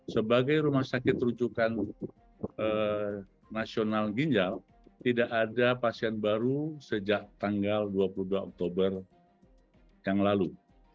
sebagai rumah sakit rujukan nasional ginjal tidak ada pasien baru sejak tanggal dua puluh dua oktober yang lalu